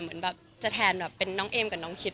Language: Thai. แบบจะแทนแบบเป็นน้องแอมกับน้องคิ้น